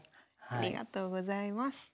ありがとうございます。